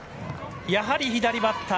やはり左バッター。